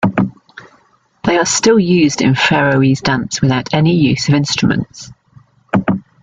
They are still used in Faroese dance without any use of instruments.